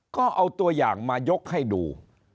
ก็เอาตัวอย่างมายกให้ดู